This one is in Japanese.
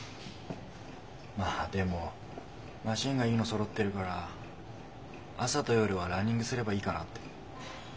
まあでもマシンがいいのそろってるから朝と夜はランニングすればいいかなって。